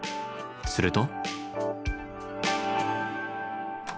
すると。